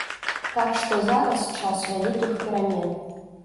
Так што зараз час вялікіх перамен.